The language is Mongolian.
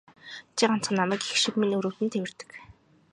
Чи ганцхан намайг эх шиг минь өрөвдөн тэвэрдэг.